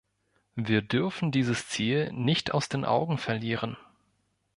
Wir dürfen dieses Ziel nicht aus den Augen verlieren.